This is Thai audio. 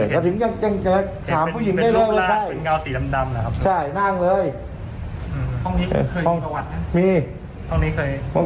เห็นเป็นเงาสีดำหรอครับ